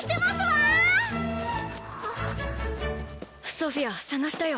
ソフィア捜したよ。